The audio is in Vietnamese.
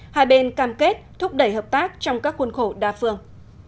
hai bên cam kết thúc đẩy hợp tác trong các khuôn khổ đa phương